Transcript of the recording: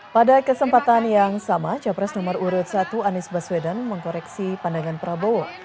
pada kesempatan yang sama capres nomor urut satu anies baswedan mengkoreksi pandangan prabowo